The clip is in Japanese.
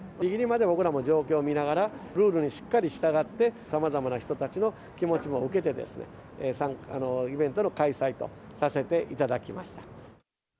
ぎりぎりまで僕らも状況を見ながら、ルールにしっかり従って、さまざまな人たちの気持ちも受けて、イベントの開催とさせていただきました。